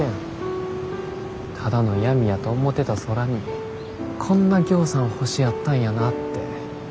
ただの闇やと思てた空にこんなぎょうさん星あったんやなって。